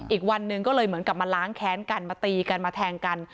อีกวันหนึ่งก็เลยเหมือนกับมาล้างแค้นกันมาตีกันมาแทงกัน